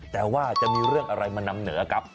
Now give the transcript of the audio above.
แต่ว่าจะมีเรื่องอะไรมานำเหนือครับ